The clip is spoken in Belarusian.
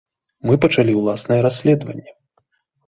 Мы пачалі ўласнае расследаванне.